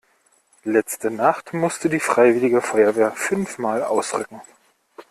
Letzte Nacht musste die freiwillige Feuerwehr fünfmal ausrücken.